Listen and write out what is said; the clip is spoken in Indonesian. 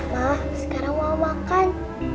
ma sekarang mau makan